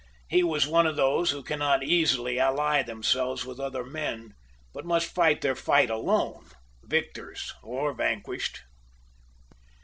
He was one of those who cannot easily ally themselves with other men, but must fight their fight alone, victors or vanquished.